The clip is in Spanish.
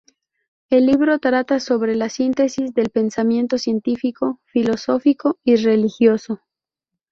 El libro trata sobre la síntesis del pensamiento científico, filosófico y religioso.